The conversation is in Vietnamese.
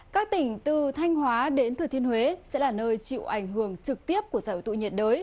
các tỉnh từ thanh hóa đến thừa thiên huế sẽ là nơi chịu ảnh hưởng trực tiếp của giải hội tụ nhiệt đới